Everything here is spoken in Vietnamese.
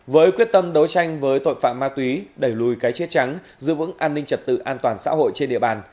với quyết tâm đấu tranh với tội phạm ma túy đẩy lùi cái chết trắng giữ vững an ninh trật tự an toàn xã hội trên địa bàn